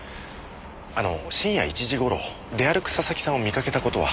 あの深夜１時頃出歩く佐々木さんを見かけた事は。